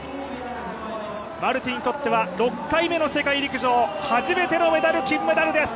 マルティンにとっては６回目の世界陸上初めてのメダル、金メダルです！